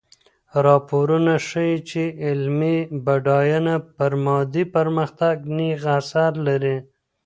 راپورونه ښيي چي علمي بډاينه پر مادي پرمختګ نېغ اثر لري.